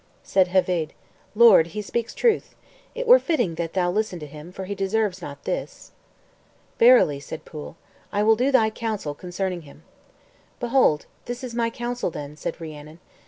Said Heveydd, "Lord, he speaks truth; it were fitting that thou listen to him, for he deserves not this." "Verily," said Pwyll, "I will do thy counsel concerning him." "Behold, this is my counsel then," said Rhiannon.